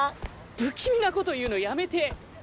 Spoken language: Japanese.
不気味なこというのやめて。